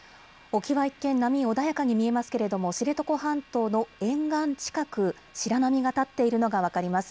沖は一見、波が穏やかに見えますけれども知床半島の沿岸近く白波が立っているのが分かります。